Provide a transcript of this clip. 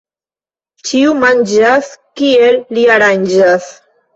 Ĉiu manĝas, kiel li aranĝas.